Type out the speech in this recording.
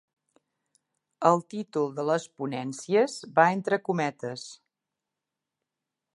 El títol de les ponències va entre cometes.